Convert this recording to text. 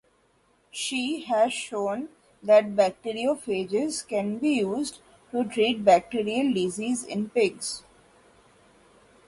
She has shown that bacteriophages could be used to treat bacterial disease in pigs.